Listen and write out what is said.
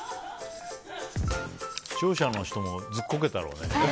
視聴者の人も、ずっこけたろうね。